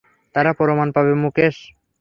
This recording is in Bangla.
তারা প্রমাণ পাবে মুকেশ।